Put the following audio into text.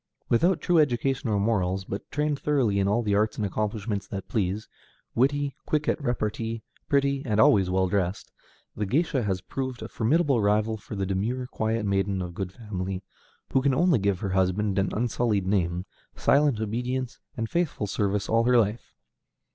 Without true education or morals, but trained thoroughly in all the arts and accomplishments that please, witty, quick at repartee, pretty, and always well dressed, the géisha has proved a formidable rival for the demure, quiet maiden of good family, who can only give her husband an unsullied name, silent obedience, and faithful service all her life.